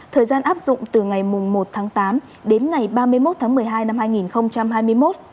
thời gian áp dụng từ ngày một tháng tám đến ngày ba mươi một tháng một mươi hai năm hai nghìn hai mươi một